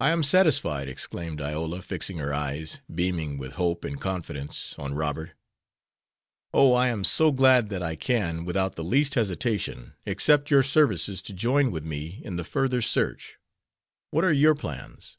"I am satisfied," exclaimed Iola, fixing her eyes, beaming with hope and confidence, on Robert. "Oh, I am so glad that I can, without the least hesitation, accept your services to join with me in the further search. What are your plans?"